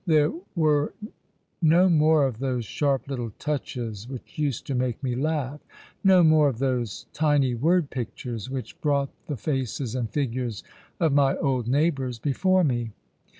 There were no more of those sharp little touches which used to make me laugh, no more of those tiny word pictures, which brought the faces and figures of my old neighbours before me."